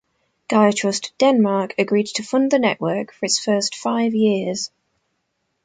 Gaia Trust, Denmark, agreed to fund the network for its first five years.